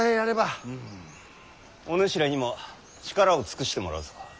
お主らにも力を尽くしてもらうぞ。